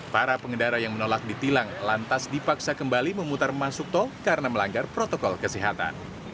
para pengendara yang menolak ditilang lantas dipaksa kembali memutar masuk tol karena melanggar protokol kesehatan